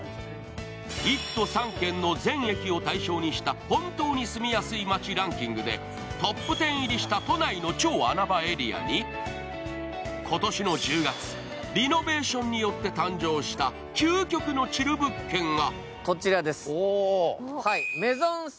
１都３県の全駅を対象にした本当に住みやすい街ランキングでトップ１０入りした都内の超穴場エリアに今年の１０月、リノベーションによって誕生した究極のチル物件は？